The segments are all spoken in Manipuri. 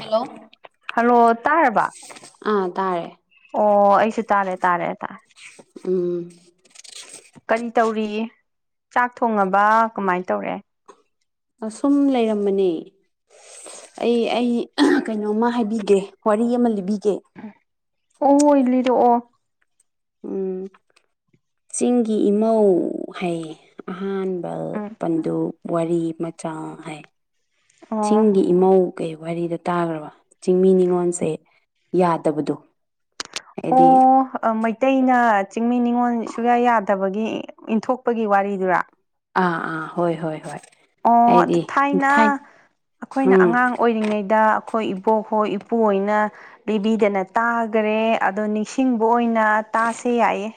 ꯍꯂꯣ ꯍꯜꯂꯣ ꯇꯥꯔꯕ ꯑꯥ ꯇꯥꯔꯦ ꯑꯣ ꯑꯩꯁꯨ ꯇꯥꯔꯦ ꯇꯥꯔꯦ ꯇꯥꯔꯦ ꯑꯨꯝ ꯀꯔꯤ ꯇꯧꯔꯤ ꯆꯥꯛ ꯊꯣꯡꯉꯕ ꯀꯃꯥꯏꯅ ꯇꯧꯔꯦ ꯑꯁꯨꯝ ꯂꯩꯔꯝꯕꯅꯤ ꯑꯩ ꯑꯩ ꯀꯩꯅꯣꯝꯃ ꯍꯥꯏꯕꯤꯒꯦ ꯋꯥꯔꯤ ꯑꯃ ꯂꯤꯕꯤꯒꯦ ꯍꯣꯏ ꯂꯤꯔꯛꯑꯣ ꯑꯨꯝ ꯆꯤꯡꯒꯤ ꯏꯃꯧ ꯍꯥꯏꯌꯦ ꯑꯍꯥꯟ ꯜ ꯎꯝ ꯄꯟꯗꯨ ꯋꯥꯔꯤ ꯃꯆꯥ ꯍꯥꯏ ꯑꯣ ꯆꯤꯡꯒꯤ ꯏꯃꯧ ꯀꯩ ꯋꯥꯔꯤꯗꯣ ꯇꯥꯈ꯭ꯔꯕ ꯆꯤꯡꯃꯤ ꯅꯤꯉꯣꯟꯜꯁꯦ ꯌꯥꯗꯕꯗꯣ ꯑꯣ ꯍꯥꯏꯗꯤ ꯑꯣ ꯑꯃꯩ ꯑꯇꯩꯩꯅ ꯆꯤꯡꯃꯤ ꯅꯤꯉꯣꯜ ꯁꯨꯌꯥ ꯌꯥꯗꯕꯒꯤ ꯏꯟꯊꯣꯛꯄꯒꯤ ꯋꯥꯔꯤꯗꯨꯔꯥ ꯑꯥ ꯑꯥ ꯍꯣꯏ ꯍꯣꯏ ꯍꯣꯏ ꯑꯣ ꯑꯗꯨ ꯍꯥꯏꯗꯤ ꯊꯥꯏꯅ ꯊꯥꯏ ꯑꯩꯈꯣꯏꯅ ꯎꯝ ꯑꯉꯥꯡ ꯑꯣꯏꯔꯤꯉꯩꯗ ꯑꯩꯈꯣꯏ ꯏꯕꯣꯛꯍꯣꯏ ꯏꯄꯨꯨ ꯍꯣꯏꯅ ꯄꯤꯕꯤꯗꯅ ꯇꯥꯒꯔꯦ ꯑꯗꯣ ꯅꯤꯡꯁꯤꯡꯕ ꯑꯣꯏꯅ ꯇꯥꯁꯦ ꯌꯥꯏꯌꯦ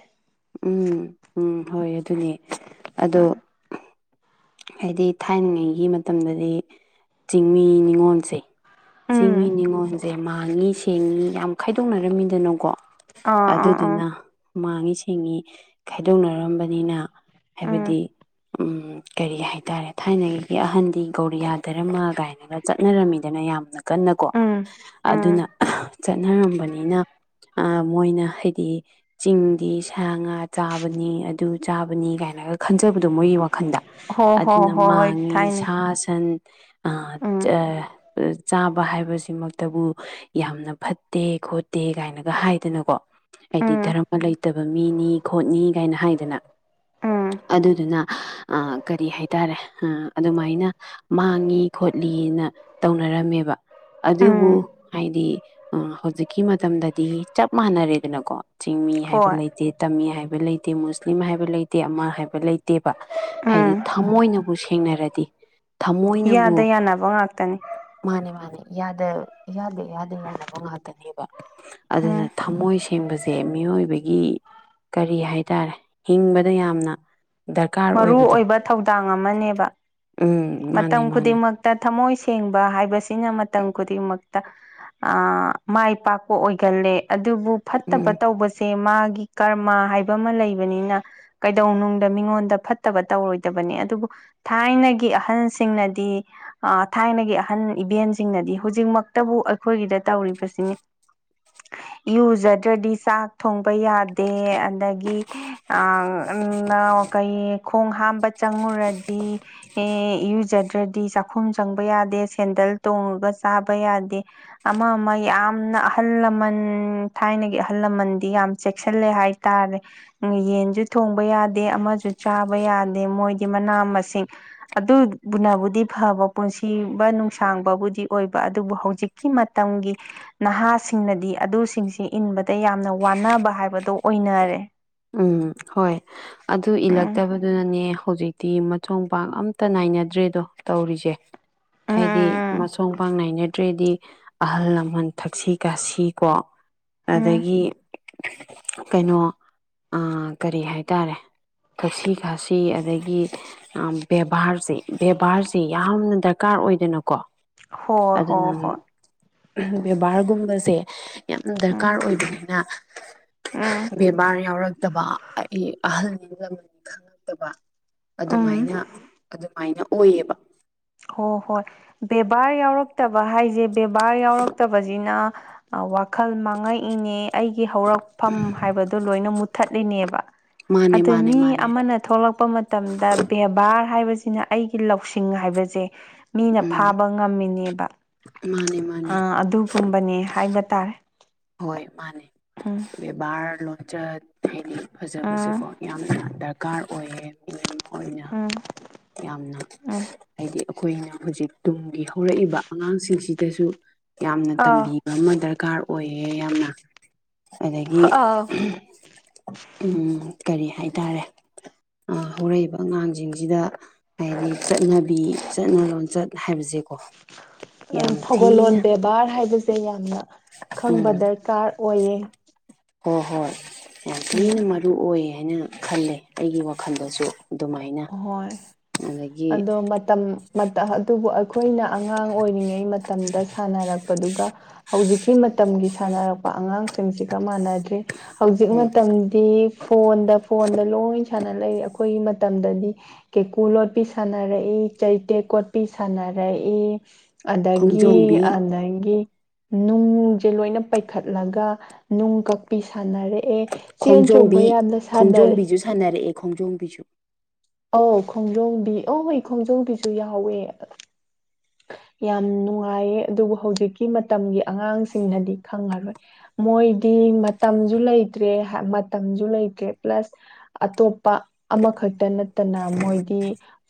ꯎꯝ ꯎꯝ ꯍꯣꯏ ꯑꯗꯨꯅꯦ ꯑꯗꯣ ꯍꯥꯏꯗꯤ ꯊꯥꯏꯅꯉꯩꯒꯤ ꯃꯇꯝꯗꯗꯤ ꯆꯤꯡꯃꯤ ꯅꯤꯉꯣꯜꯁꯦ ꯆꯤꯡꯃꯤ ꯎꯝ ꯅꯤꯉꯣꯜꯁꯦ ꯃꯥꯡꯉꯤ ꯁꯦꯡꯉꯤ ꯌꯥꯝ ꯈꯥꯏꯗꯣꯛꯅꯔꯝꯃꯤꯗꯅꯀꯣ ꯑꯥ ꯑꯥ ꯑꯥ ꯑꯗꯨꯗꯨꯅ ꯃꯥꯡꯉꯤ ꯁꯦꯡꯉꯤ ꯈꯥꯏꯗꯣꯛꯅꯔꯝꯕꯅꯤꯅ ꯎꯝ ꯍꯥꯏꯕꯗꯤ ꯎꯝ ꯀꯔꯤ ꯍꯥꯏꯇꯥꯔꯦ ꯊꯥꯏꯅꯒꯤꯒꯤ ꯑꯍꯟꯗꯤ ꯒꯧꯔꯤꯌꯥ ꯙꯔꯃꯥ ꯀꯥꯏꯅꯒ ꯆꯠꯅꯔꯝꯃꯤꯗꯅ ꯌꯥꯝꯅ ꯀꯟꯅꯀꯣ ꯎꯝ ꯎꯝ ꯑꯗꯨꯅ ꯆꯠꯅꯔꯝꯕꯅꯤꯅ ꯑꯥ ꯃꯣꯏꯅ ꯍꯥꯏꯗꯤ ꯆꯤꯡꯗꯤ ꯁꯥ ꯉꯥ ꯆꯥꯕꯅꯤ ꯑꯗꯨ ꯆꯥꯕꯅꯤ ꯀꯥꯏꯅꯒ ꯈꯟꯖ ꯈꯟꯖꯥꯕꯗꯣ ꯃꯣꯏꯒꯤ ꯋꯥꯈꯟꯗ ꯍꯣ ꯍꯣ ꯑꯗꯨꯅ ꯍꯣ ꯍꯣꯏ ꯃꯥꯡꯉꯤ ꯊꯥꯏꯅꯦ ꯁꯥ ꯁꯟ ꯑ ꯎꯝ ꯆ ꯆꯥꯕ ꯍꯥꯏꯕꯁꯤꯃꯛꯇꯕꯨ ꯌꯥꯝꯅ ꯐꯠꯇꯦ ꯈꯣꯠꯇꯦ ꯀꯥꯏꯅꯒ ꯍꯥꯏꯗꯅꯀꯣ ꯍꯥꯏꯗꯤ ꯎꯝ ꯙꯔꯃ ꯂꯩꯇꯕ ꯃꯤꯅꯤ ꯈꯣꯠꯅꯤ ꯀꯥꯏꯅ ꯍꯥꯏꯗꯅ ꯎꯝ ꯑꯗꯨꯗꯨꯅ ꯑꯥ ꯀꯔꯤ ꯍꯥꯏꯇꯥꯔꯦ ꯑꯗꯨꯃꯥꯏꯅ ꯃꯥꯡꯉꯤ ꯈꯣꯠꯂꯤꯅ ꯇꯧꯅꯔꯝꯃꯦꯕ ꯑꯗꯨꯕꯨ ꯎꯝ ꯍꯥꯏꯗꯤ ꯑ ꯍꯧꯖꯤꯛꯀꯤ ꯃꯇꯝꯗꯗꯤ ꯆꯞ ꯃꯥꯟꯅꯔꯦꯗꯅꯀꯣ ꯆꯤꯡꯃꯤ ꯍꯥꯏꯕ ꯍꯣꯏ ꯂꯩꯇꯦ ꯇꯝꯃꯤ ꯍꯥꯏꯕ ꯂꯩꯇꯦ ꯃꯨꯁꯂꯤꯝ ꯍꯥꯏꯕ ꯂꯩꯇꯦ ꯑꯃ ꯍꯥꯏꯕ ꯂꯩꯇꯦꯕ ꯍꯥꯏꯗꯤ ꯎꯝ ꯊꯃꯣꯏꯅꯕꯨ ꯁꯦꯡꯅꯔꯗꯤ ꯊꯃꯣꯏꯅꯕꯨ ꯏꯌꯥꯗ ꯌꯥꯅꯕ ꯉꯥꯛꯇꯅꯤ ꯃꯥꯅꯦ ꯃꯥꯅꯦ ꯌꯥꯗ ꯌꯥꯗ ꯌꯥꯗ ꯌꯥꯅꯕ ꯉꯥꯛꯇꯅꯦꯕ ꯑꯗꯨꯅ ꯎꯝ ꯊꯝꯃꯣꯏ ꯁꯦꯡꯕꯁꯦ ꯃꯤꯑꯣꯏꯕꯒꯤ ꯀꯔꯤ ꯍꯥꯏꯇꯥꯔꯦ ꯍꯤꯡꯕꯗ ꯌꯥꯝꯅ ꯗꯔꯀꯥꯔ ꯃꯔꯨ ꯑꯣꯏꯕꯗꯣ ꯑꯣꯏꯕ ꯊꯧꯗꯥꯡ ꯑꯃꯅꯦꯕ ꯎꯝ ꯃꯥꯅꯦ ꯃꯇꯝ ꯃꯥꯅꯦ ꯈꯨꯗꯤꯡꯃꯛꯇ ꯊꯃꯣꯏ ꯊꯦꯡꯕ ꯍꯥꯏꯕꯁꯤꯅ ꯃꯇꯝ ꯈꯨꯗꯤꯡꯃꯛꯇ ꯑꯥ ꯃꯥꯏ ꯄꯥꯛꯄ ꯑꯣꯏꯒꯜꯂꯦ ꯑꯗꯨꯕꯨ ꯐꯠꯇꯕ ꯎꯝ ꯇꯧꯕꯁꯦ ꯃꯥꯒꯤ ꯀꯔꯃ ꯍꯥꯏꯕ ꯑꯃ ꯂꯩꯕꯅꯤꯅ ꯀꯩꯗꯧꯅꯨꯡꯗ ꯃꯤꯉꯣꯟꯗ ꯐꯠꯇꯕ ꯇꯧꯔꯣꯏꯗꯕꯅꯦ ꯑꯗꯨꯕꯨ ꯊꯥꯏꯅꯒꯤ ꯑ ꯑꯍꯟꯁꯤꯡꯅꯗꯤ ꯊꯥꯏꯅꯒꯤ ꯑꯍꯟ ꯏꯕꯦꯟꯁꯤꯡꯅꯗꯤ ꯍꯧꯖꯤꯛꯃꯛꯇꯕꯨ ꯑꯩꯈꯣꯏꯒꯤꯗ ꯇꯧꯔꯤꯕꯁꯤꯅꯤ [inaudible] ꯌꯨꯖꯗ꯭ꯔꯗꯤ ꯆꯥꯛ ꯊꯣꯡꯕ ꯌꯥꯗꯦ ꯑꯗꯒꯤ ꯑꯥ ꯀꯩ ꯈꯣꯡ ꯍꯥꯝꯕ ꯆꯪꯉꯨꯔꯗꯤ ꯑꯦ ꯏꯔꯨꯖꯗ꯭ꯔꯗꯤ ꯆꯥꯛꯈꯨꯝ ꯆꯪꯕ ꯌꯥꯗꯦ ꯁꯦꯟꯗꯜ ꯇꯣꯡꯉꯒ ꯆꯥꯕ ꯌꯥꯗꯦ ꯑꯃ ꯑꯃ ꯌꯥꯝꯅ ꯑꯍꯜ ꯂꯃꯟ ꯊꯥꯏꯅꯒꯤ ꯑꯍꯜ ꯂꯃꯟꯗꯤ ꯌꯥꯝ ꯆꯦꯛꯁꯤꯜꯂꯦ ꯍꯥꯏꯇꯥꯔꯦ ꯌꯦꯟꯁꯨ ꯊꯣꯡꯕ ꯌꯥꯗꯦ ꯑꯃꯁꯨ ꯆꯥꯕ ꯌꯥꯗꯦ ꯃꯣꯏꯗꯤ ꯃꯅꯥ ꯃꯁꯤꯡ ꯑꯗꯨ ꯅꯕꯨꯗꯤ ꯐꯕ ꯄꯨꯟꯁꯤꯕ ꯅꯨꯡꯁꯥꯡꯕꯕꯨꯗꯤ ꯑꯣꯏꯕ ꯑꯗꯨꯕꯨ ꯍꯧꯖꯤꯛꯀꯤ ꯃꯇꯝꯒꯤ ꯅꯍꯥꯁꯤꯡꯅꯗꯤ ꯑꯗꯨꯁꯤꯡꯁꯤ ꯏꯟꯕꯗ ꯌꯥꯝꯅ ꯋꯥꯅꯕ ꯍꯥꯏꯕꯗꯣ ꯑꯣꯏꯅꯔꯦ ꯎꯝ ꯍꯣꯏ ꯑꯗꯨ ꯎꯝ ꯆꯣꯡ ꯄꯥꯡ ꯑꯝꯇ ꯅꯥꯏꯅꯗ꯭ꯔꯦꯗꯣ ꯇꯧꯔꯤꯁꯦ ꯍꯥꯏꯗꯤ ꯎꯝ ꯃꯁꯣꯡ ꯄꯥꯛ ꯅꯥꯏꯅ ꯠꯇ꯭ꯔꯦꯗꯤ ꯑꯍꯜ ꯂꯃꯟ ꯊꯛꯁꯤ ꯈꯥꯁꯤ ꯀꯣ ꯎꯝ ꯑꯗꯒꯤ ꯀꯩꯅꯣ ꯑꯥ ꯀꯔꯤ ꯍꯥꯏꯇꯥꯔꯦ ꯊꯛꯁꯤ ꯈꯥꯁꯤ ꯑꯗꯒꯤ ꯕꯦꯕꯥꯔꯁꯦ ꯕꯦꯕꯥꯔꯁꯤ ꯌꯥꯝꯅ ꯗꯔꯀꯥꯔ ꯑꯣꯏꯗꯅꯀꯣ ꯍꯣꯏ ꯑꯗꯨꯅ ꯍꯣꯏ ꯍꯣꯏ ꯕꯦꯕꯥꯔꯒꯨꯝꯕꯁꯦ ꯌꯥꯝ ꯎꯝ ꯗꯔꯀꯥꯔ ꯑꯣꯏꯕꯅꯤꯅ ꯎꯝ ꯕꯦꯃꯥꯔ ꯌꯥꯎꯔꯛꯇꯕ ꯑꯩ ꯑꯍꯜ ꯅꯤꯡꯖꯃꯅꯤ ꯈꯪꯉꯛꯇꯕ ꯎꯝ ꯑꯗꯨꯃꯥꯏꯅ ꯑꯗꯨꯃꯥꯏꯅ ꯑꯣꯏꯌꯦꯕ ꯍꯣ ꯍꯣꯏ ꯕꯦꯕꯥꯔ ꯌꯥꯎꯔꯛꯇꯕ ꯍꯥꯏꯁꯦ ꯕꯦꯕꯥꯔ ꯌꯥꯎꯔꯛꯇꯕꯁꯤꯅ ꯑꯥ ꯋꯥꯈꯜ ꯃꯥꯡꯉꯛꯏꯅꯦ ꯑꯩꯒꯤ ꯍꯧꯔꯛꯐꯝ ꯍꯥꯏꯕꯗꯣ ꯂꯣꯏꯅ ꯃꯨꯊꯠꯂꯤꯅꯦꯕ ꯃꯥꯅꯦ ꯑꯗ ꯃꯥꯅꯦ ꯃꯤ ꯃꯥꯅꯦ ꯑꯃꯅ ꯊꯣꯛꯂꯛꯄ ꯃꯇꯝꯗ ꯕꯦꯕꯥꯔ ꯍꯥꯏꯕꯁꯤ ꯁꯤꯅ ꯑꯩꯒꯤ ꯂꯧꯁꯤꯡ ꯍꯥꯏꯕꯁꯦ ꯃꯤꯅ ꯎꯝ ꯐꯥꯕ ꯉꯝꯃꯤꯅꯦꯕ ꯃꯥꯅꯦ ꯃꯥꯅꯦ ꯑꯥ ꯑꯗꯨꯒꯨꯝꯕꯅꯦ ꯍꯥꯏꯕ ꯇꯥꯔꯦ ꯍꯣꯏ ꯃꯥꯅꯦ ꯎꯝ ꯕꯦꯕꯥꯔ ꯂꯣꯟꯆꯟ ꯍꯥꯏꯗꯤ ꯎꯝ ꯐꯖꯕꯕꯁꯤꯦꯀꯣ ꯌꯥꯝꯅ ꯗꯔꯀꯥꯔ ꯑꯣꯏꯌꯦ ꯃꯤ ꯑꯣꯏꯅ ꯎꯝ ꯌꯥꯝꯅ ꯎꯝ ꯍꯥꯏꯗꯤ ꯑꯩꯈꯣꯏꯅ ꯍꯧꯖꯤꯛ ꯇꯨꯡꯒꯤ ꯍꯧꯔꯛꯏꯕ ꯑꯉꯥꯡꯁꯤꯡꯁꯤꯗꯁꯨ ꯌꯥꯝꯅ ꯑ ꯇꯝꯕꯤꯕ ꯑꯃ ꯗꯔꯀꯥꯔ ꯑꯣꯏꯌꯦ ꯌꯥꯝꯅ ꯑꯗꯒꯤ ꯑ ꯍꯡ ꯎꯝ ꯀꯔꯤ ꯍꯥꯏꯇꯥꯔꯦ ꯑꯥ ꯍꯧꯔꯛꯏꯕ ꯑꯉꯥꯡꯁꯤꯡꯁꯤꯗ ꯍꯥꯏꯗꯤ ꯆꯠꯅꯕꯤ ꯆꯠꯅ ꯂꯣꯟꯆꯠ ꯍꯥꯏꯕꯁꯦ ꯊꯧꯒꯜꯂꯣꯟ ꯕꯦꯕꯥꯔ ꯍꯥꯏꯕꯁꯦ ꯌꯥꯝꯅ ꯈꯪꯕ ꯎꯝ ꯗꯔꯀꯥꯔ ꯑꯣꯏꯌꯦ ꯍꯣꯏ ꯍꯣꯏ ꯌꯥꯝ ꯊꯤꯅ ꯃꯔꯨ ꯑꯣꯏ ꯍꯥꯏꯅ ꯈꯜꯂꯦ ꯑꯩꯒꯤ ꯋꯥꯈꯜꯗꯁꯨ ꯑꯗꯨꯃꯥꯏꯅ ꯍꯣꯏ ꯑꯗꯒꯤ ꯑꯗꯣ ꯃꯇꯝ ꯃꯇꯝ ꯑꯗꯨꯕꯨ ꯑꯩꯈꯣꯏꯅ ꯑꯉꯥꯡ ꯑꯣꯏꯔꯤꯉꯩ ꯃꯇꯝꯗ ꯁꯥꯟꯅꯔꯛ ꯗꯨꯒ ꯍꯧꯖꯤꯛꯀꯤ ꯃꯇꯝꯒꯤ ꯁꯥꯟꯅꯔꯛꯄ ꯑꯉꯥꯡꯁꯤꯡ ꯁꯤꯡꯁꯤꯒ ꯃꯥꯟꯅꯗ꯭ꯔꯔꯦ ꯍꯧꯖꯤꯛ ꯎꯝ ꯃꯇꯝꯗꯤ ꯐꯣꯟꯗ ꯐꯣꯟꯗ ꯂꯣꯏ ꯁꯥꯟꯅ ꯂꯩꯦ ꯑꯩ ꯃꯇꯝꯗꯗꯤ ꯀꯦꯀꯨ ꯂꯣꯠꯄꯤ ꯁꯥꯟꯅꯔꯛꯏ ꯆꯩꯇꯦꯛ ꯀꯣꯠꯄꯤ ꯁꯥꯟꯅꯔꯛꯏ ꯑꯗꯒꯤ ꯈꯣꯡꯖꯣꯝꯕꯤ ꯑꯗꯒꯤ ꯅꯨꯡꯁꯦ ꯂꯣꯏꯅ ꯄꯩꯈꯠꯂꯒ ꯅꯨꯡ ꯀꯛꯄꯤ ꯁꯥꯟꯅꯔꯦ ꯑꯦ ꯆꯦꯟ ꯆꯣꯡꯕ ꯈꯣꯡꯖꯣꯝꯕꯤ ꯌꯥꯝꯅ ꯁꯥꯟꯅꯔꯦ ꯈꯣꯡꯖꯣꯝꯕꯤꯖꯨ ꯑꯧ ꯈꯣꯡꯖꯣꯝꯕꯤ ꯑꯣꯏ ꯈꯣꯡꯖꯣꯝꯕꯤꯁꯨ ꯌꯥꯎꯋꯦ ꯑ [inaudible] ꯌꯥꯝ ꯅꯨꯡꯉꯥꯏꯌꯦ ꯑꯗꯨꯕꯨ ꯍꯧꯖꯤꯛꯀꯤ ꯃꯇꯝꯒꯤ ꯑꯉꯥꯡꯁꯤꯡꯅꯗꯤ ꯈꯪꯉꯔꯣꯏ ꯃꯣꯏꯗꯤ ꯗꯤ ꯃꯇꯝꯖꯨ ꯂꯩꯇ꯭ꯔꯦ ꯍ ꯃꯇꯝꯖꯨ ꯂꯩꯇ꯭ꯔꯦ ꯄ꯭ꯂꯁ ꯑꯇꯣꯞꯄ ꯑꯃꯈꯛ ꯇ ꯅꯠꯇꯅ ꯃꯣꯏꯗꯤ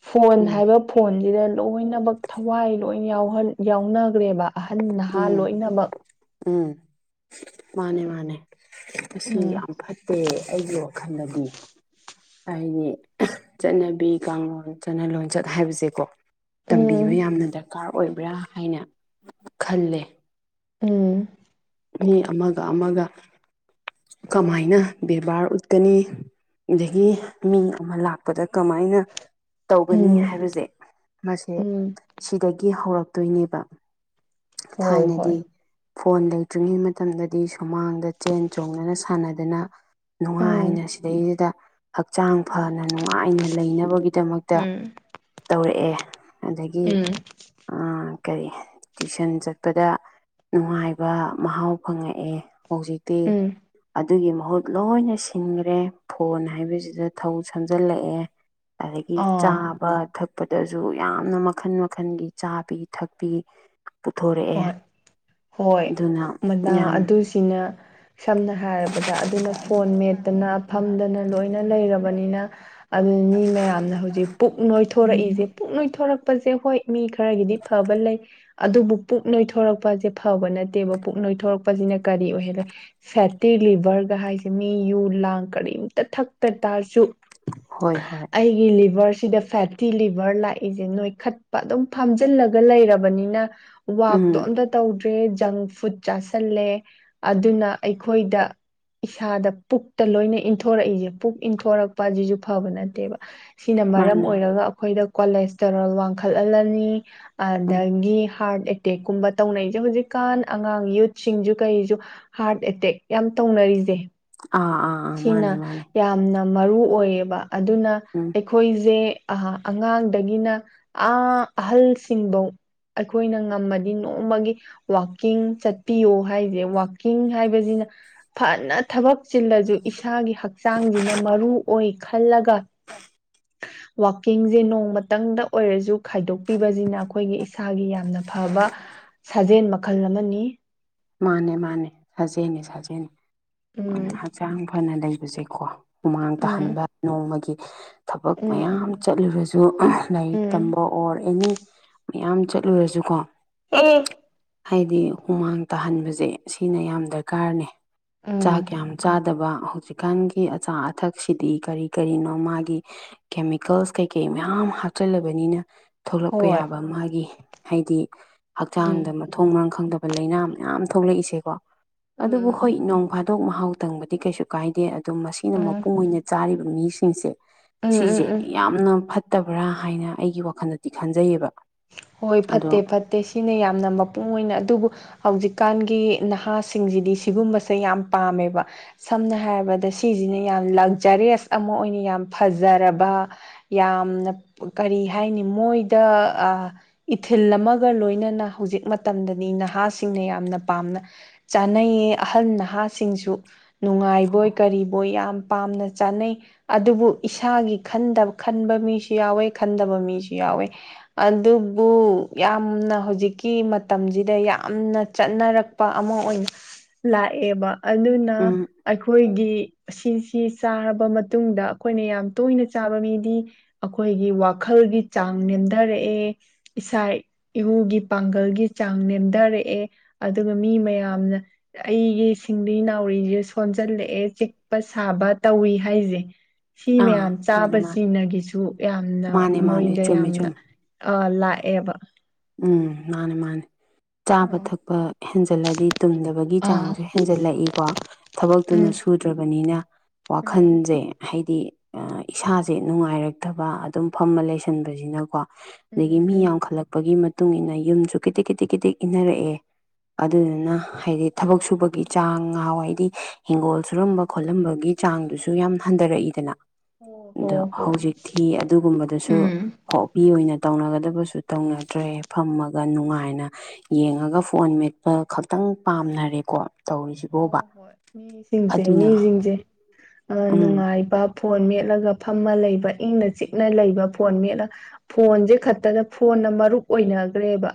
ꯐꯣꯟ ꯎꯝ ꯍꯥꯏꯕ ꯐꯣꯟꯁꯤꯗ ꯂꯣꯏꯅꯃꯛ ꯊꯋꯥꯏ ꯂꯣꯏ ꯌꯥꯎꯍꯟ ꯌꯥꯎꯅꯈ꯭ꯔꯦꯕꯥ ꯑꯍꯟ ꯅꯍꯥ ꯎꯝ ꯂꯣꯏꯅꯃꯛ ꯎꯝ ꯃꯥꯅꯦ ꯃꯥꯅꯦ ꯑꯁꯤ ꯎꯝ ꯌꯥꯝ ꯐꯠꯇꯦ ꯑꯩꯒꯤ ꯋꯥꯈꯟꯗ [unintelligible] ꯍꯥꯏꯗꯤ [unintelligible] ꯆꯠꯅꯕꯤ ꯀꯥꯡꯂꯣꯟ ꯆꯠꯅ ꯂꯣꯟꯆꯠ ꯍꯥꯏꯕꯁꯦꯀꯣ ꯇꯝꯕꯤꯕ ꯎꯝ ꯌꯥꯝꯅ ꯗꯔꯀꯥꯔ ꯑꯣꯏꯕ꯭ꯔꯥ ꯍꯥꯏꯅ ꯈꯜꯂꯦ ꯎꯝ ꯃꯤ ꯑꯃꯒ ꯑꯃꯒ ꯀꯃꯥꯏꯅ ꯕꯦꯕꯥꯔ ꯎꯠꯀꯅꯤ ꯑꯗꯒꯤ ꯃꯤ ꯑꯃ ꯂꯥꯛꯄꯗ ꯀꯃꯥꯏꯅ ꯇꯧꯒꯅꯤ ꯎꯝ ꯍꯥꯏꯕꯁꯦ ꯃꯁꯦ ꯎꯝ ꯁꯤꯗꯒꯤ ꯍꯧꯔꯛꯇꯣꯏꯅꯦꯕꯥ ꯍꯣꯏ ꯍꯣꯏ ꯐꯣꯟ ꯂꯩꯇ꯭ꯔꯤꯉꯩ ꯃꯇꯝꯗꯗꯤ ꯁꯨꯃꯥꯡꯗ ꯆꯦꯟ ꯆꯣꯡꯗꯅ ꯁꯥꯟꯅꯗꯅ ꯅꯨꯡꯉꯥꯏꯅ ꯎꯝ ꯁꯤꯗꯩꯗ ꯍꯛꯆꯥꯡ ꯎꯝ ꯐꯅ ꯅꯨꯡꯉꯥꯏꯅ ꯂꯩꯅꯕꯒꯤꯗꯃꯛꯇ ꯎꯝ ꯇꯧꯔꯛꯑꯦ ꯑꯗꯒꯤ ꯎꯝ ꯑꯥ ꯀꯔꯤ ꯇ꯭ꯌꯨꯁꯟ ꯆꯠꯄꯗ ꯅꯨꯡꯉꯥꯏꯕꯥ ꯃꯍꯥꯎ ꯐꯪꯉꯛꯑꯦ ꯍꯧꯖꯤꯛꯇꯤ ꯎꯝ ꯑꯗ ꯗꯨꯒꯤ ꯃꯍꯨꯠ ꯂꯣꯏꯅ ꯁꯤꯟꯒ꯭ꯔꯦ ꯐꯣꯟ ꯍꯥꯏꯕꯁꯤꯗ ꯊꯧ ꯁꯝꯖꯤꯜꯂꯛꯑꯦ ꯑꯗꯒꯤ ꯑꯥ ꯆꯥꯕ ꯊꯛ ꯄꯗꯁꯨ ꯌꯥꯝꯅ ꯃꯈꯟ ꯃꯈꯟꯒꯤ ꯆꯥꯕꯤ ꯊꯛꯄꯤ ꯄꯨꯊꯣꯔꯛꯑꯦ ꯍꯣꯏ ꯍꯣꯏ ꯑꯗꯨꯅ [unintelligible] ꯌꯥꯝ ꯑꯗꯨꯁꯤꯅ ꯁꯝꯅ ꯍꯥꯏꯔꯕꯗ ꯑꯗꯨꯅ ꯐꯣꯟ ꯃꯦꯠꯇꯅ ꯐꯝꯗꯅ ꯂꯣꯏꯅ ꯂꯩꯔꯕꯅꯤꯅ ꯑꯗꯨ [unintelligible] ꯃꯤ ꯃꯌꯥꯝꯅ ꯍꯨꯖꯤꯛ ꯄꯨꯛ ꯅꯣꯏꯊꯣꯔꯛꯏꯁꯦ ꯄꯨꯛ ꯅꯣꯏꯊꯣꯔꯛ ꯄꯁꯦ ꯍꯣꯏ ꯃꯤ ꯈꯔꯒꯤꯗꯤ ꯐꯕ ꯂꯩ ꯑꯗꯨꯕꯨꯞ ꯄꯨꯛ ꯅꯣꯏꯊꯣꯔꯛꯄꯁꯦ ꯐꯕ ꯅꯠꯇꯦꯕꯥ ꯄꯨꯛ ꯅꯣꯏꯊꯣꯔꯛꯄꯁꯤꯅ ꯀꯔꯤ ꯑꯣꯏꯍꯜꯂꯦ ꯐꯦꯠꯇꯤ ꯂꯤꯚꯔ ꯗꯍꯥꯏꯁꯦ ꯃꯤ ꯌꯨ ꯂꯥꯡ ꯀꯔꯤꯝꯇ ꯊꯛꯇ ꯇꯥꯔꯁꯨ ꯍꯣꯏ ꯍꯣꯏ [unintelligible] ꯑꯩꯒꯤ ꯂꯤꯚꯔꯁ ꯁꯤꯗ ꯐꯦꯠꯇꯤ ꯂꯤꯚꯔ ꯂꯥꯛꯏꯁꯦ ꯅꯣꯏ ꯈꯠꯄ ꯑꯗꯨꯝ ꯐꯥꯝꯖꯤꯜꯂꯒ ꯂꯩꯔꯕꯅꯤꯅ ꯎꯝ ꯋꯥꯛꯇꯣ ꯑꯝꯇ ꯇꯧꯗ꯭ꯔꯦ ꯖꯪ ꯐꯨꯗ ꯆꯥꯥꯁꯜꯂꯦ ꯑꯗꯨꯅ ꯑꯩꯈꯣꯏꯗ ꯏꯁꯥꯗ ꯄꯨꯛꯇ ꯂꯣꯏꯅ ꯏꯟꯊꯣꯔꯛꯏꯁꯦ ꯄꯨꯛ ꯏꯟꯊꯣꯔꯛꯄ ꯑꯁꯤꯁꯨ ꯐꯕ ꯅꯠꯇꯦꯕ ꯁꯤꯅ ꯃꯔꯝ ꯃꯥꯅꯦ ꯑꯣꯏꯔꯒ ꯑꯩꯈꯣꯏꯗ ꯀꯣꯂꯦꯁꯇꯔꯣꯜ ꯋꯥꯡꯈꯠꯍꯜꯂꯅꯤ ꯎꯝ ꯑꯗꯒꯤ ꯇꯦꯛꯀꯨꯝꯕ ꯇꯧꯅꯩꯁꯦ ꯍꯧꯖꯤꯛꯀꯥꯟ ꯑꯉꯥꯡ ꯌꯨꯠꯁꯤꯡꯁꯨ ꯀꯔꯤꯁꯨ ꯍꯥꯔꯠ ꯑꯦꯇꯦꯛ ꯌꯥꯝ ꯇꯧꯅꯔꯤꯖꯦ ꯑꯥ ꯑꯥ ꯑꯥ ꯁꯤꯅ ꯃꯥꯅꯦ ꯃꯥꯅꯦ ꯌꯥꯝꯅ ꯃꯔꯨ ꯑꯣꯏꯌꯦꯕꯥ ꯑꯗꯨꯅ ꯎꯝ ꯑꯩꯈꯣꯏꯖꯦ ꯑꯍꯥ ꯑꯉꯥꯡꯗꯒꯤꯅ ꯑꯥ ꯑꯍꯜꯁꯤꯡꯐꯧ ꯑꯩꯈꯣꯏꯅ ꯉꯝꯃꯗꯤ ꯅꯣꯡꯃꯒꯤ ꯋꯥꯛꯀꯤꯡ ꯆꯠꯄꯤꯌꯣ ꯍꯥꯏꯖꯦ ꯋꯥꯛꯀꯤꯡ ꯍꯥꯏꯕꯁꯤꯅ ꯐꯅ ꯊꯕꯛ ꯆꯤꯜꯂꯁꯨ ꯏꯁꯥꯒꯤ ꯍꯛꯆꯥꯡꯁꯤꯅ ꯃꯔꯨ ꯑꯣꯏ ꯈꯜꯂꯒ ꯋꯥꯛꯀꯤꯡꯖꯦ ꯅꯣꯡꯃꯇꯪꯗ ꯑꯣꯏꯔꯖꯨ ꯈꯥꯏꯗꯣꯛꯄꯤꯕꯖꯤꯅ ꯑꯩꯈꯣꯏꯒꯤ ꯏꯁꯥꯒꯤ ꯌꯥꯝꯅ ꯐꯕ ꯁꯥꯖꯦꯟ ꯃꯈꯜ ꯑꯃꯅꯤ ꯃꯥꯅꯦ ꯃꯥꯅꯦ ꯁꯥꯖꯦꯟꯅꯦ ꯁꯥꯖꯦꯟ ꯃꯥꯅꯦ ꯎꯝ ꯍꯛꯆꯥꯡ ꯐꯅ ꯂꯩꯕꯁꯦꯀꯣ ꯍꯨꯃꯥꯡ ꯎꯝ ꯇꯥꯍꯟꯕ ꯅꯣꯡꯃꯒꯤ ꯊꯕꯛ ꯎꯝ ꯃꯌꯥꯝ ꯆꯠꯂꯨꯔꯖꯨ ꯑꯍꯪ ꯂꯥꯏꯔꯤꯛ ꯎꯝ ꯇꯝꯕ ꯑꯣꯔ ꯑꯦꯅꯤ ꯌꯥꯝ ꯆꯠꯂꯨꯔꯖꯨꯀꯣ ꯑꯦ ꯍꯥꯏꯗꯤ ꯍꯨꯃꯥꯡ ꯇꯥꯍꯟꯕꯖꯦ ꯁꯤꯅ ꯌꯥꯝ ꯗꯔꯀꯥꯔꯅꯦ ꯎꯝ ꯆꯥꯛ ꯌꯥꯝ ꯆꯥꯗꯕ ꯍꯧꯖꯤꯛꯀꯥꯟꯒꯤ ꯑꯆꯥ- ꯑꯊꯛꯁꯤꯗꯤ ꯀꯔꯤ- ꯀꯔꯤꯅꯣ ꯃꯥꯒꯤ ꯀꯦꯃꯤꯀꯦꯜꯁ ꯀꯩꯀꯩ ꯃꯌꯥꯝ ꯍꯥꯞꯆꯜꯂꯕꯅꯤꯅ ꯊꯣꯛꯂꯛꯄ ꯍꯣꯏ ꯌꯥꯕ ꯃꯥꯒꯤ ꯍꯥꯏꯗꯤ ꯍꯛꯆꯥꯡꯗ ꯎꯝ ꯃꯊꯣꯡ- ꯃꯔꯝ ꯈꯪꯗꯕ ꯂꯥꯏꯅ ꯌꯥꯝ ꯊꯣꯛꯂꯛꯏꯖꯦ ꯀꯣ ꯎꯝ ꯑꯗꯨꯕꯨ ꯎꯝ ꯍꯣꯏ ꯅꯣꯡ ꯐꯥꯗꯣꯛ ꯃꯍꯥꯎ ꯇꯪꯕꯗꯤ ꯀꯩꯁꯨ ꯀꯥꯏꯗꯦ ꯑꯗꯨ ꯃꯁꯤꯅ ꯎꯝ ꯃꯄꯨꯡ ꯑꯣꯏꯅ ꯆꯥꯔꯤꯕ ꯃꯤꯁꯤꯡꯁꯦ ꯎꯝ ꯎꯝ ꯁꯤꯖꯦ ꯎꯝ ꯌꯥꯝꯅ ꯐꯠꯇ ꯐꯠꯇꯕ꯭ꯔꯥ ꯍꯥꯏꯅ ꯑꯩꯒꯤ ꯋꯥꯈꯜꯗꯗꯤ ꯈꯟꯖꯩꯕ ꯍꯣꯏ ꯐꯠꯇꯦ- ꯐꯠꯇꯦ ꯁꯤꯅ ꯌꯥꯝꯅ ꯃꯄꯨꯡ ꯃꯣꯢꯅ ꯑꯗꯨꯕꯨ ꯍꯧꯖꯤꯛꯀꯥꯟꯒꯤ ꯅꯍꯥꯁꯤꯡꯖꯤꯗꯤ ꯁꯤꯒꯨꯝꯕꯁꯦ ꯌꯥꯝ ꯄꯥꯝꯃꯦꯕ ꯁꯝꯅ ꯍꯥꯏꯔꯕꯗ ꯁꯤꯖꯤꯅ ꯌꯥꯝ ꯂꯛꯖꯔꯤꯌꯁ ꯑꯃꯥꯥ ꯑꯣꯏꯅ ꯌꯥꯝ ꯐꯖꯔꯕꯥ ꯌꯥꯝ ꯀꯔꯤ ꯍꯥꯏꯅꯤ ꯃꯣꯏ ꯗꯥ ꯑꯥꯏꯊꯤꯜ ꯑꯃꯒ ꯂꯣꯏꯅꯅ ꯍꯧꯖꯤꯛ ꯃꯇꯝꯗꯅꯤ ꯅꯍꯥꯁꯤꯡꯅ ꯌꯥꯝꯅ ꯄꯥꯝꯅ ꯆꯥꯅꯩꯌꯦ ꯑꯍꯜ ꯅꯍꯥꯁꯤꯡꯖꯨ ꯅꯨꯡꯉꯥꯏꯕꯣꯏ- ꯀꯔꯤꯕꯣꯏ ꯌꯥꯝ ꯄꯥꯝꯅ ꯆꯥꯅꯩ ꯑꯗꯨꯕꯨ ꯏꯁꯥꯒꯤ ꯈꯟꯗ ꯈꯟꯕ ꯃꯤꯖꯨ ꯌꯥꯎꯋꯦ ꯈꯟꯗꯕ ꯃꯤꯖꯨ ꯌꯥꯎꯋꯏ ꯌꯥꯎꯋꯦ ꯑꯥꯗꯨꯕꯨ ꯌꯥꯝꯅ ꯍꯧꯖꯤꯛꯀꯤ ꯃꯇꯝꯖꯤꯗ ꯌꯥꯝꯅ ꯆꯠꯅꯔꯛꯄ ꯑꯃꯥ ꯑꯣꯢ ꯑꯣꯢꯅ ꯂꯥꯛꯑꯦꯕ ꯑꯗꯨꯅ ꯎꯝ ꯑꯩꯈꯣꯏꯒꯤ ꯁꯤꯖꯤ ꯁꯤ ꯆꯥꯔꯕ ꯃꯇꯨꯡꯗ ꯑꯩꯈꯣꯏꯅ ꯌꯥꯝ ꯇꯣꯏꯅ ꯆꯥꯕ ꯃꯤꯗꯤ ꯑꯩꯈꯣꯏꯒꯤ ꯋꯥꯈꯜꯒꯤ ꯆꯥꯡ ꯅꯦꯝꯙꯔꯦ ꯑꯦ ꯏꯁꯥ- ꯏꯎꯒꯤ ꯄꯥꯡꯒꯜꯒꯤ ꯆꯥꯡ ꯅꯦꯝꯗꯔꯛꯑꯦ ꯑꯗꯨꯒ ꯃꯤ ꯃꯌꯥꯝ ꯌꯥꯝꯅ ꯑꯩꯒꯤ ꯁꯤꯡꯂꯤ -ꯅꯥꯎꯔꯤꯖꯦ ꯁꯣꯟꯖꯜꯂꯛꯑꯦ ꯆꯤꯛꯄ -ꯁꯥꯕ ꯇꯧꯏ ꯍꯥꯏ ꯁꯤ ꯑꯥ ꯃꯌꯥꯝ ꯃꯥꯅꯦ ꯃꯥꯅꯦ ꯆꯥꯕꯖꯤꯒꯅꯁꯨ ꯌꯥꯝꯅ ꯃꯥꯅꯦ ꯃꯥꯅꯦ ꯃꯣꯢꯗ ꯆꯨꯝꯃꯦ ꯌꯥꯝꯅ ꯆꯨꯝꯃꯦ ꯑ ꯂꯥꯛꯑꯦꯕ ꯎꯪ ꯃꯥꯟꯅꯤ ꯃꯥꯟꯅꯤ ꯎꯝ ꯆꯥꯕ-ꯊꯛꯄ ꯍꯦꯟꯖꯜꯂꯛꯑꯗꯤ ꯇꯨꯝꯗꯕꯒꯤ ꯑꯥ ꯆꯥꯡꯖꯨ ꯍꯦꯟꯖꯜꯂꯛꯏꯀꯣ ꯎꯝ ꯊꯕꯛꯇꯨꯅꯁꯨ ꯁꯨꯗ꯭ꯔꯕꯅꯤꯅ ꯎꯝ ꯋꯥꯈꯟꯖꯦ ꯍꯩ ꯗꯤ ꯏꯁꯥꯖꯦ ꯅꯨꯡꯉꯥꯏꯔꯛꯇꯕ ꯑꯗꯨꯝ ꯐꯝꯃ ꯂꯩꯁꯤꯟꯕꯖꯤꯅꯀꯣ ꯑꯗꯒꯤ ꯎꯝ ꯃꯤ ꯎꯝ ꯌꯥꯝꯈꯠꯂꯛꯄꯒꯤ ꯃꯇꯨꯡꯏꯟꯅ ꯌꯨꯝꯖꯨ ꯀꯤꯗꯤꯛ -ꯀꯤꯗꯤꯛ ꯏꯟꯅꯔꯛꯑꯦ ꯑꯗꯨꯗꯨꯅ ꯍꯥꯏꯗꯤ ꯊꯕꯛ ꯁꯨꯕꯒꯤ ꯆꯥꯡ ꯉꯍꯥꯋꯥꯏꯗꯤ ꯍꯤꯡꯒꯣꯜ ꯁꯨꯔꯝꯕ-ꯈꯣꯠꯂꯝꯕꯒꯤ ꯆꯥꯡꯗꯨꯖꯨ ꯌꯥꯝ ꯍꯟꯗꯔꯛꯏꯗꯅ ꯍꯣ ꯍꯣ ꯑꯥꯗꯣ ꯍꯣꯏ ꯍꯧꯖꯤꯛꯇꯤ ꯑꯗꯨꯒꯨꯝꯕꯗꯨꯁꯨ ꯎꯝ ꯍꯣꯕꯤ ꯑꯣꯏꯅ ꯇꯧꯅꯒꯗꯕꯁꯨ ꯇꯧꯅꯗ꯭ꯔꯦ ꯐꯝꯃꯒꯥ ꯅꯨꯡꯉꯥꯏꯅ ꯌꯦꯡꯉꯥꯒ ꯐꯣꯟ ꯃꯦꯠꯄ ꯈꯛꯇꯪ ꯄꯥꯝꯅꯔꯦꯀꯣ ꯍꯣ ꯇꯧꯔꯤꯁꯤꯕꯣꯕ ꯍꯣꯏ ꯃꯤꯁꯤꯡꯖꯦ ꯑꯗꯨꯅ ꯃꯤꯁꯤꯡꯖꯦ ꯎꯝ ꯅꯨꯡꯉꯥꯏꯕ ꯐꯣꯟ ꯃꯦꯠꯂꯒ ꯐꯝꯃ ꯂꯩꯕ ꯏꯪꯅ-ꯆꯤꯛꯅ ꯂꯩꯕ ꯐꯣꯟ ꯃꯦꯠꯂꯒ ꯐꯣꯟꯖꯦ ꯈꯛꯇꯗ ꯐꯣꯟ ꯐꯣꯟꯅ ꯃꯔꯨꯞ ꯑꯣꯏꯅꯒ꯭ꯔꯦ ꯕꯥ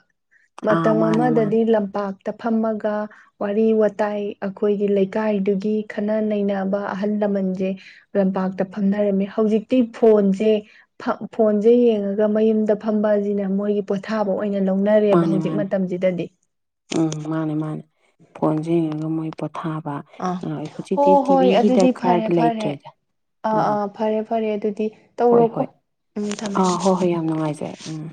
ꯑꯥ ꯃꯇꯝ ꯃꯥꯅꯦ ꯃꯥꯅꯦ ꯑꯃꯗꯗꯤ ꯂꯝꯄꯥꯛꯇ ꯐꯝꯃꯒ ꯋꯥꯔꯤ- ꯋꯥꯇꯥꯏ ꯑꯩꯈꯣꯏꯒꯤ ꯂꯩꯀꯥꯏꯗꯨꯒꯤ ꯈꯟꯅ-ꯅꯩꯅꯕ ꯑꯍꯜ ꯂꯃꯟꯖꯦ ꯂꯝꯄꯥꯛꯇ ꯐꯝꯅꯔꯝꯃꯤ ꯍꯧꯖꯤꯛꯇꯤ ꯐꯣꯟꯖꯦ ꯐ ꯐꯣꯟꯖꯦ ꯌꯦꯡꯉꯒ ꯃꯌꯨꯝꯗ ꯐꯝꯕꯖꯤꯅ ꯃꯣꯏꯒꯤ ꯄꯣꯊꯥꯕ ꯑꯣꯏ ꯑꯣꯏꯅ ꯂꯧꯅꯔꯦꯕꯥ ꯃꯥꯅꯦ ꯍꯧꯖꯤꯛ ꯃꯥꯅꯦ ꯃꯇꯝꯖꯤꯗꯗꯤ ꯐꯣꯟꯖꯦ ꯌꯦꯡꯉ ꯃꯣꯏ ꯄꯣ ꯊꯥꯕ ꯑꯥ ꯍꯣꯏ ꯍꯣ ꯍꯧꯖꯤꯛꯇꯤ ꯇꯤ ꯍꯣꯏ ꯚꯤꯒꯤ ꯑꯗꯨꯗꯤ ꯗꯔꯀꯥꯔꯗꯤ ꯐꯔꯦ ꯐꯔꯦ ꯂꯩꯇ꯭ꯔꯦꯗ ꯑꯥ ꯑꯥ ꯐꯔꯦ ꯐꯔꯦ ꯑꯗꯨꯗꯤ ꯍꯣꯏ ꯇꯧꯔꯣꯀꯣ ꯍꯣꯏ ꯎꯝ ꯊꯝꯃꯦ ꯊꯝꯃꯦ ꯑꯥ ꯍꯣꯏ ꯍꯣꯏ ꯌꯥꯝ ꯅꯨꯡꯉꯥꯏꯖꯔꯦ ꯎꯝ